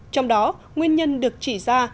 trong đó nguyên nhân được chỉ ra